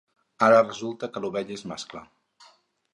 Ara resulta que l'ovella és mascle.